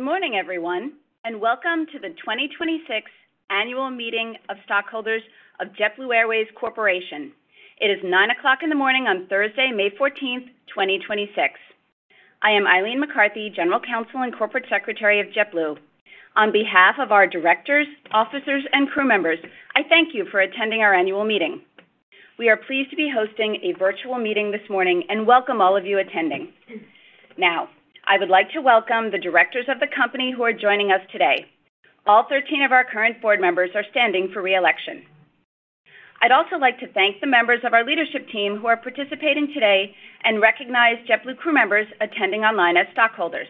Good morning, everyone, welcome to the 2026 Annual Meeting of Stockholders of JetBlue Airways Corporation. It is 9:00 A.M. on Thursday, May 14th, 2026. I am Eileen McCarthy, General Counsel and Corporate Secretary of JetBlue. On behalf of our directors, officers, and crew members, I thank you for attending our annual meeting. We are pleased to be hosting a virtual meeting this morning and welcome all of you attending. Now, I would like to welcome the directors of the company who are joining us today. All 13 of our current board members are standing for re-election. I'd also like to thank the members of our leadership team who are participating today and recognize JetBlue crew members attending online as stockholders.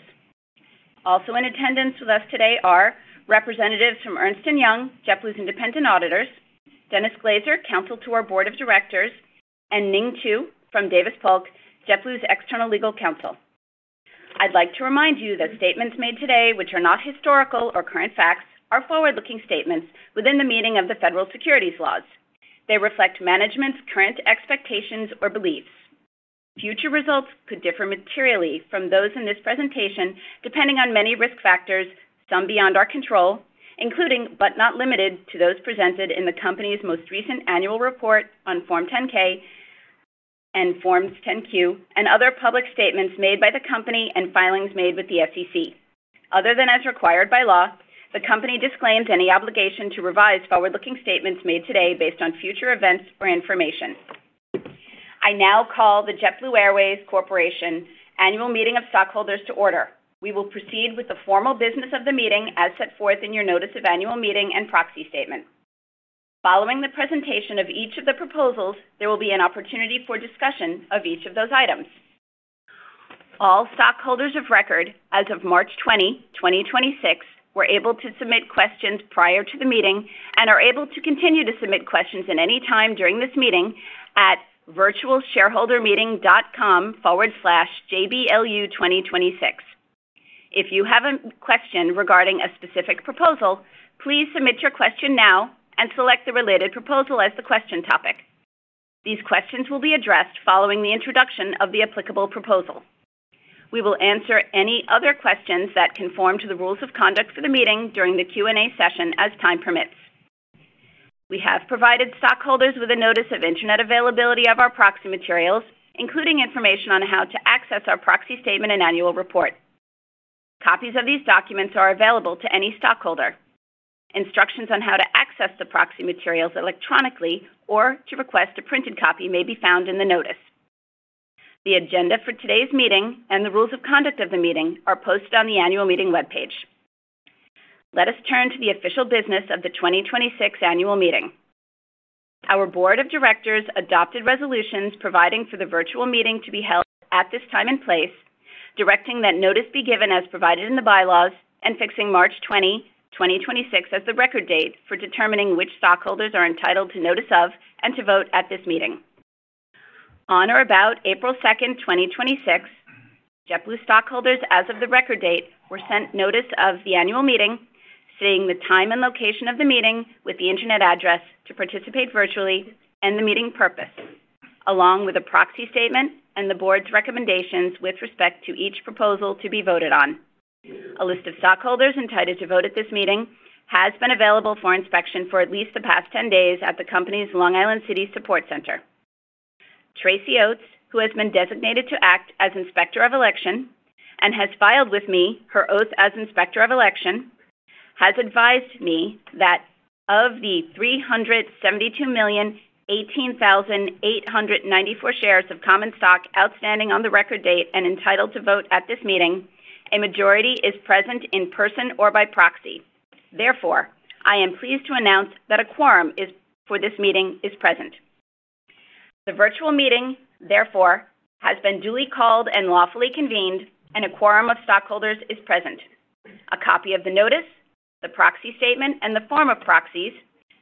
Also in attendance with us today are representatives from Ernst & Young, JetBlue's independent auditors, Dennis Glazer, counsel to our Board of Directors, and Ning Chiu from Davis Polk, JetBlue's external legal counsel. I'd like to remind you that statements made today which are not historical or current facts are forward-looking statements within the meaning of the federal securities laws. They reflect management's current expectations or beliefs. Future results could differ materially from those in this presentation, depending on many risk factors, some beyond our control, including, but not limited to those presented in the company's most recent annual report on Form 10-K and Forms 10-Q and other public statements made by the company and filings made with the SEC. Other than as required by law, the company disclaims any obligation to revise forward-looking statements made today based on future events or information. I now call the JetBlue Airways Corporation Annual Meeting of Stockholders to order. We will proceed with the formal business of the meeting as set forth in your Notice of Annual Meeting and Proxy Statement. Following the presentation of each of the proposals, there will be an opportunity for discussion of each of those items. All stockholders of record as of March 20, 2026 were able to submit questions prior to the meeting and are able to continue to submit questions at any time during this meeting at virtualshareholdermeeting.com/jblu2026. If you have a question regarding a specific proposal, please submit your question now and select the related proposal as the question topic. These questions will be addressed following the introduction of the applicable proposal. We will answer any other questions that conform to the rules of conduct for the meeting during the Q&A session as time permits. We have provided stockholders with a notice of Internet availability of our proxy materials, including information on how to access our proxy statement and annual report. Copies of these documents are available to any stockholder. Instructions on how to access the proxy materials electronically or to request a printed copy may be found in the notice. The agenda for today's meeting and the rules of conduct of the meeting are posted on the annual meeting webpage. Let us turn to the official business of the 2026 annual meeting. Our Board of Directors adopted resolutions providing for the virtual meeting to be held at this time and place, directing that notice be given as provided in the bylaws, and fixing March 20, 2026 as the record date for determining which stockholders are entitled to notice of and to vote at this meeting. On or about April 2nd, 2026, JetBlue stockholders as of the record date were sent notice of the annual meeting, seeing the time and location of the meeting with the Internet address to participate virtually and the meeting purpose, along with a proxy statement and the board's recommendations with respect to each proposal to be voted on. A list of stockholders entitled to vote at this meeting has been available for inspection for at least the past 10 days at the company's Long Island City Support Center. Tracy Oats, who has been designated to act as Inspector of Election and has filed with me her oath as Inspector of Election, has advised me that of the 372,018,894 shares of common stock outstanding on the record date and entitled to vote at this meeting, a majority is present in person or by proxy. I am pleased to announce that a quorum for this meeting is present. The virtual meeting, therefore, has been duly called and lawfully convened, a quorum of stockholders is present. A copy of the notice, the proxy statement, and the form of proxies,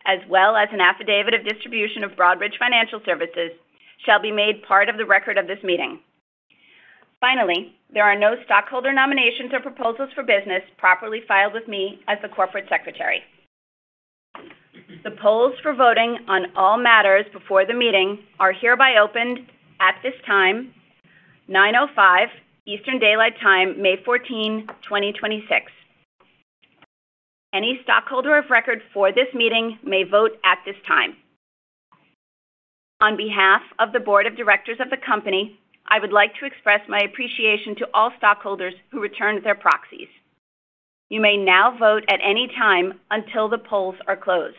as well as an affidavit of distribution of Broadridge Financial Solutions, shall be made part of the record of this meeting. There are no stockholder nominations or proposals for business properly filed with me as the corporate secretary. The polls for voting on all matters before the meeting are hereby opened at this time, 9:05 A.M. Eastern Daylight Time, May 14, 2026. Any stockholder of record for this meeting may vote at this time. On behalf of the Board of Directors of the company, I would like to express my appreciation to all stockholders who returned their proxies. You may now vote at any time until the polls are closed.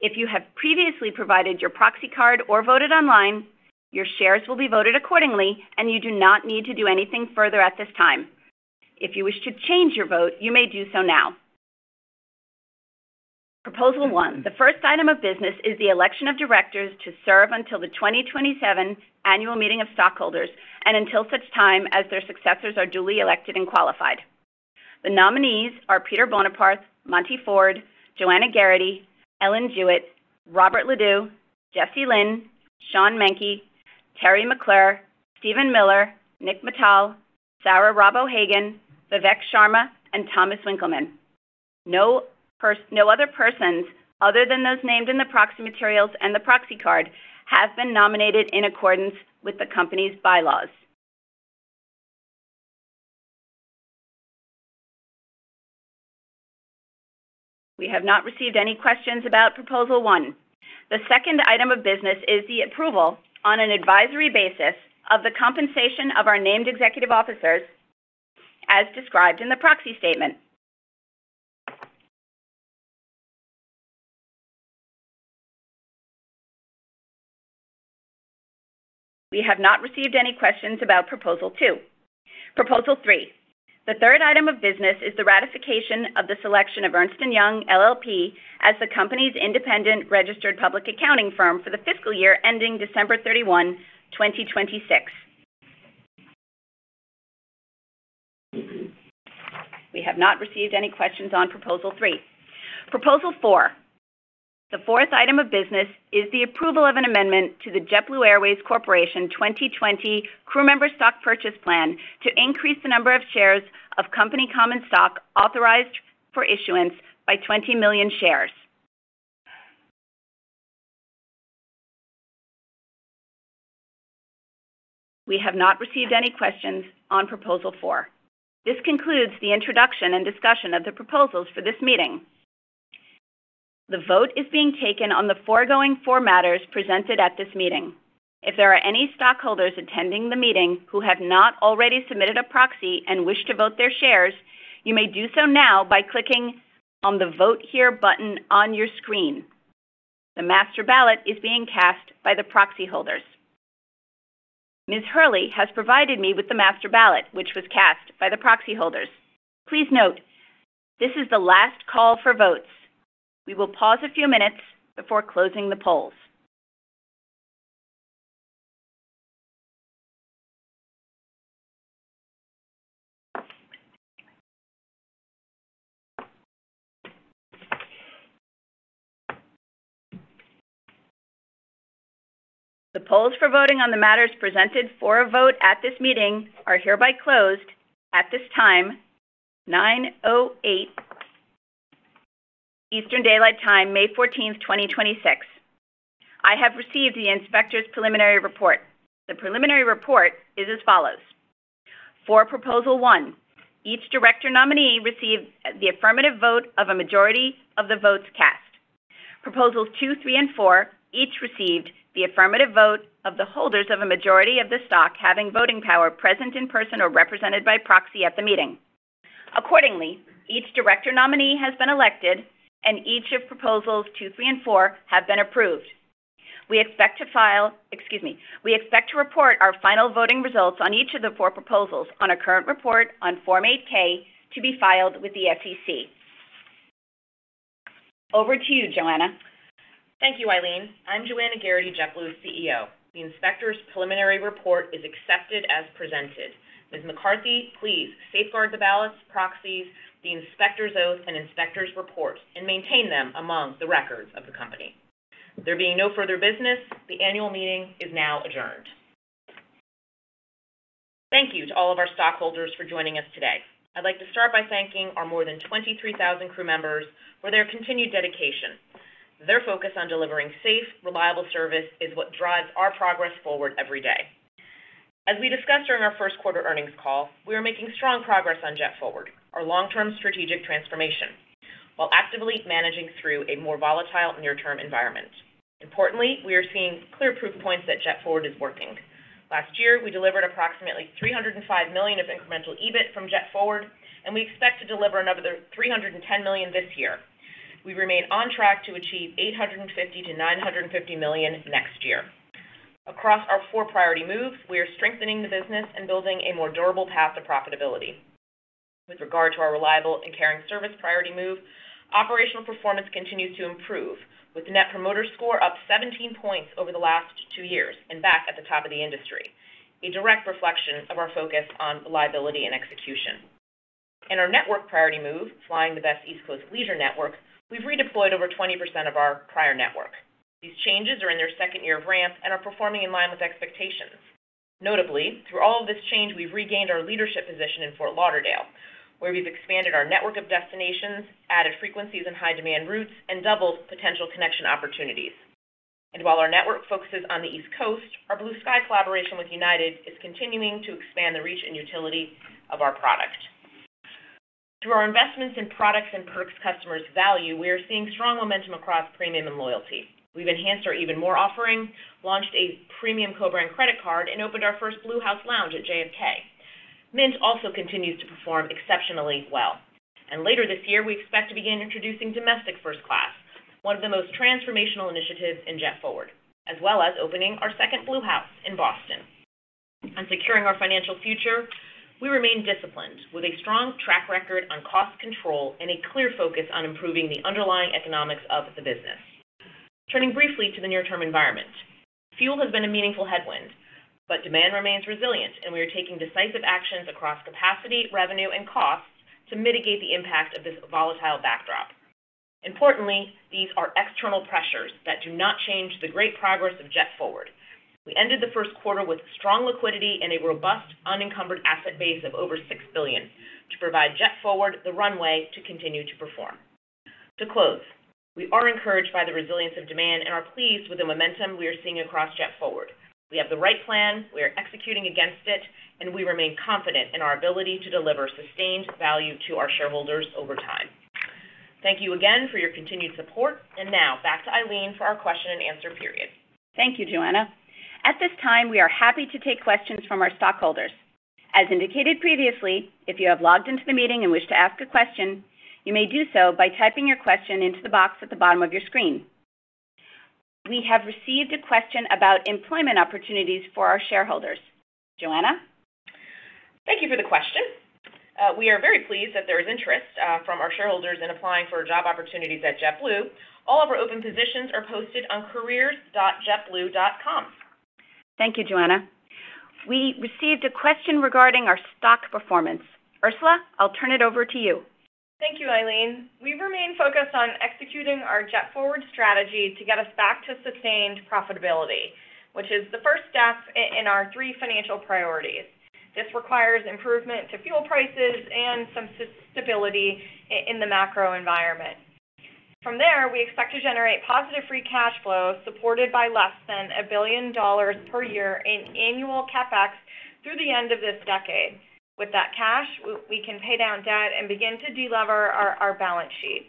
If you have previously provided your proxy card or voted online, your shares will be voted accordingly, and you do not need to do anything further at this time. If you wish to change your vote, you may do so now. Proposal 1. The first item of business is the election of directors to serve until the 2027 Annual Meeting of Stockholders and until such time as their successors are duly elected and qualified. The nominees are Peter Boneparth, Monte Ford, Joanna Geraghty, Ellen Jewett, Robert Leduc, Jesse Lynn, Sean Menke, Teri McClure, Steven Miller, Nik Mittal, Sarah Robb O'Hagan, Vivek Sharma, and Thomas Winkelmann. No other persons other than those named in the proxy materials and the proxy card have been nominated in accordance with the company's bylaws. We have not received any questions about Proposal 1. The second item of business is the approval on an advisory basis of the compensation of our named executive officers as described in the proxy statement. We have not received any questions about Proposal 2. Proposal 3. The third item of business is the ratification of the selection of Ernst & Young LLP as the company's independent registered public accounting firm for the fiscal year ending December 31, 2026. We have not received any questions on Proposal 3. Proposal 4. The fourth item of business is the approval of an amendment to the JetBlue Airways Corporation 2020 Crewmember Stock Purchase Plan to increase the number of shares of company common stock authorized for issuance by 20 million shares. We have not received any questions on proposal 4. This concludes the introduction and discussion of the proposals for this meeting. The vote is being taken on the foregoing four matters presented at this meeting. If there are any stockholders attending the meeting who have not already submitted a proxy and wish to vote their shares, you may do so now by clicking on the Vote Here button on your screen. The master ballot is being cast by the proxy holders. Ms. Hurley has provided me with the master ballot, which was cast by the proxy holders. Please note this is the last call for votes. We will pause a few minutes before closing the polls. The polls for voting on the matters presented for a vote at this meeting are hereby closed at this time, 9:08 Eastern Daylight Time, May 14th, 2026. I have received the inspector's preliminary report. The preliminary report is as follows: For proposal 1, each director nominee received the affirmative vote of a majority of the votes cast. Proposals 2, 3, and 4 each received the affirmative vote of the holders of a majority of the stock having voting power present in person or represented by proxy at the meeting. Accordingly, each director nominee has been elected and each of proposals 2, 3, and 4 have been approved. Excuse me. We expect to report our final voting results on each of the four proposals on a current report on Form 8-K to be filed with the SEC. Over to you, Joanna. Thank you, Eileen. I'm Joanna Geraghty, JetBlue's CEO. The inspector's preliminary report is accepted as presented. Ms. McCarthy, please safeguard the ballots, proxies, the inspector's oath, and inspector's report and maintain them among the records of the company. There being no further business, the annual meeting is now adjourned. Thank you to all of our stockholders for joining us today. I'd like to start by thanking our more than 23,000 crew members for their continued dedication. Their focus on delivering safe, reliable service is what drives our progress forward every day. As we discussed during our first quarter earnings call, we are making strong progress on JetForward, our long-term strategic transformation, while actively managing through a more volatile near-term environment. Importantly, we are seeing clear proof points that JetForward is working. Last year, we delivered approximately $305 million of incremental EBIT from JetForward, and we expect to deliver another $310 million this year. We remain on track to achieve $850 million-$950 million next year. Across our four priority moves, we are strengthening the business and building a more durable path to profitability. With regard to our reliable and caring service priority move, operational performance continues to improve, with Net Promoter Score up 17 points over the last two years and back at the top of the industry, a direct reflection of our focus on reliability and execution. In our network priority move, flying the best East Coast leisure network, we've redeployed over 20% of our prior network. These changes are in their second year of ramp and are performing in line with expectations. Notably, through all of this change, we've regained our leadership position in Fort Lauderdale, where we've expanded our network of destinations, added frequencies and high demand routes, and doubled potential connection opportunities. While our network focuses on the East Coast, our Blue Sky collaboration with United is continuing to expand the reach and utility of our product. Through our investments in products and perks customers value, we are seeing strong momentum across premium and loyalty. We've enhanced our EvenMore offering, launched a premium co-brand credit card, and opened our first BlueHouse lounge at JFK. Mint also continues to perform exceptionally well. Later this year, we expect to begin introducing domestic first class, one of the most transformational initiatives in JetForward, as well as opening our second BlueHouse in Boston. On securing our financial future, we remain disciplined with a strong track record on cost control and a clear focus on improving the underlying economics of the business. Turning briefly to the near-term environment, fuel has been a meaningful headwind, but demand remains resilient, and we are taking decisive actions across capacity, revenue, and costs to mitigate the impact of this volatile backdrop. Importantly, these are external pressures that do not change the great progress of JetForward. We ended the first quarter with strong liquidity and a robust unencumbered asset base of over $6 billion to provide JetForward the runway to continue to perform. To close, we are encouraged by the resilience of demand and are pleased with the momentum we are seeing across JetForward. We have the right plan, we are executing against it, and we remain confident in our ability to deliver sustained value to our shareholders over time. Thank you again for your continued support. Now back to Eileen for our question-and-answer period. Thank you, Joanna. At this time, we are happy to take questions from our stockholders. As indicated previously, if you have logged into the meeting and wish to ask a question, you may do so by typing your question into the box at the bottom of your screen. We have received a question about employment opportunities for our shareholders. Joanna? Thank you for the question. We are very pleased that there is interest from our shareholders in applying for job opportunities at JetBlue. All of our open positions are posted on careers.jetblue.com. Thank you, Joanna. We received a question regarding our stock performance. Ursula, I'll turn it over to you. Thank you, Eileen. We remain focused on executing our JetForward strategy to get us back to sustained profitability, which is the first step in our three financial priorities. This requires improvement to fuel prices and some stability in the macro environment. From there, we expect to generate positive free cash flow supported by less than $1 billion per year in annual CapEx through the end of this decade. With that cash, we can pay down debt and begin to de-lever our balance sheet.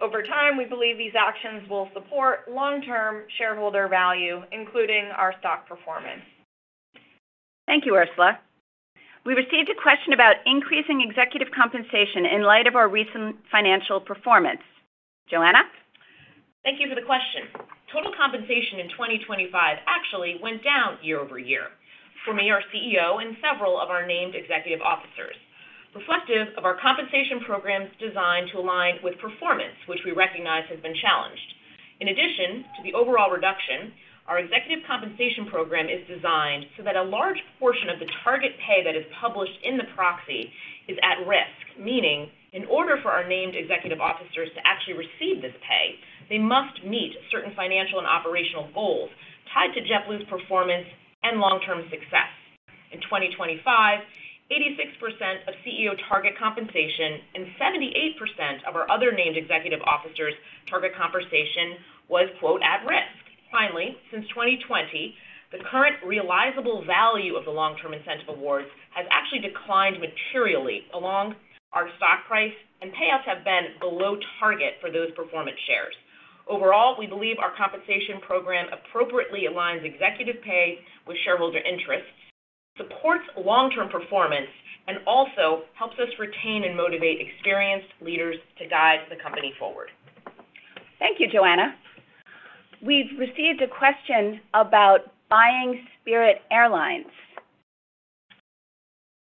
Over time, we believe these actions will support long-term shareholder value, including our stock performance. Thank you, Ursula. We received a question about increasing executive compensation in light of our recent financial performance. Joanna? Thank you for the question. Total compensation in 2025 actually went down year-over-year for me, our CEO, and several of our named executive officers, reflective of our compensation programs designed to align with performance, which we recognize has been challenged. In addition to the overall reduction, our executive compensation program is designed so that a large portion of the target pay that is published in the proxy is at risk. Meaning in order for our named executive officers to actually receive this pay, they must meet certain financial and operational goals tied to JetBlue's performance and long-term success. In 2025, 86% of CEO target compensation and 78% of our other named executive officers' target compensation was, quote, "at risk." Finally, since 2020, the current realizable value of the long-term incentive awards has actually declined materially along our stock price, and payouts have been below target for those performance shares. Overall, we believe our compensation program appropriately aligns executive pay with shareholder interests, supports long-term performance, and also helps us retain and motivate experienced leaders to guide the company forward. Thank you, Joanna. We've received a question about buying Spirit Airlines.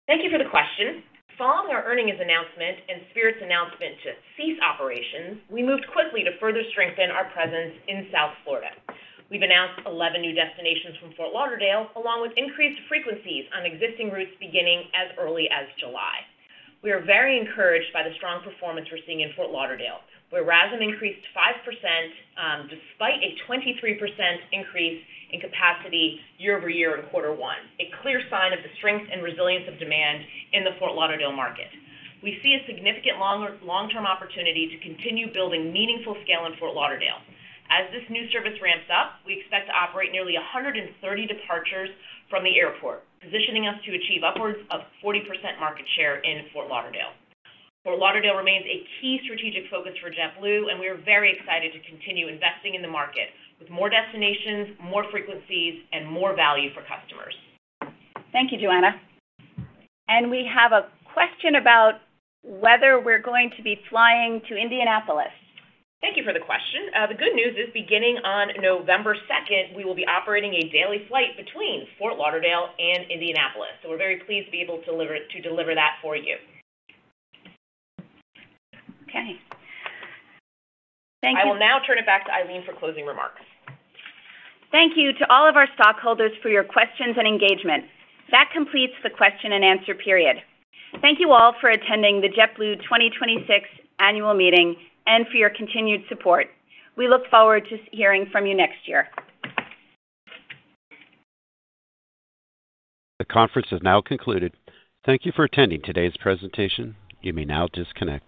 Thank you for the question. Following our earnings announcement and Spirit Airlines' announcement to cease operations, we moved quickly to further strengthen our presence in South Florida. We've announced 11 new destinations from Fort Lauderdale, along with increased frequencies on existing routes beginning as early as July. We are very encouraged by the strong performance we're seeing in Fort Lauderdale, where RASM increased 5%, despite a 23% increase in capacity year-over-year in quarter one, a clear sign of the strength and resilience of demand in the Fort Lauderdale market. We see a significant long-term opportunity to continue building meaningful scale in Fort Lauderdale. As this new service ramps up, we expect to operate nearly 130 departures from the airport, positioning us to achieve upwards of 40% market share in Fort Lauderdale. Fort Lauderdale remains a key strategic focus for JetBlue, and we are very excited to continue investing in the market with more destinations, more frequencies, and more value for customers. Thank you, Joanna. We have a question about whether we're going to be flying to Indianapolis. Thank you for the question. The good news is, beginning on November second, we will be operating a daily flight between Fort Lauderdale and Indianapolis, so we're very pleased to be able to deliver that for you. Okay. Thank you. I will now turn it back to Eileen for closing remarks. Thank you to all of our stockholders for your questions and engagement. That completes the question-and-answer period. Thank you all for attending the JetBlue 2026 annual meeting and for your continued support. We look forward to hearing from you next year. The conference has now concluded. Thank you for attending today's presentation. You may now disconnect.